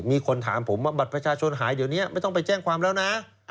มีคนถามผมว่าบัตรประชาชนหายเดี๋ยวนี้ไม่ต้องไปแจ้งความแล้วนะ